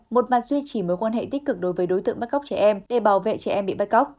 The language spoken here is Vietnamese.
một mặt duy trì mối quan hệ tích cực đối với đối tượng bắt cóc trẻ em để bảo vệ trẻ em bị bắt cóc